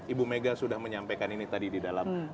ibu mega sudah menyampaikan ini tadi di dalam